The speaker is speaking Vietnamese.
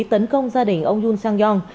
tấn công gia đình ông yoon sang yong